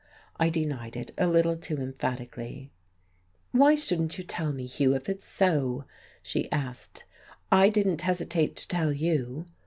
I denied it a little too emphatically. "Why shouldn't you tell me, Hugh, if it's so?" she asked. "I didn't hesitate to tell you."